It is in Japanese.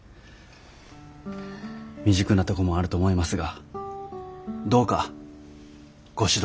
未熟なとこもあると思いますがどうかご指導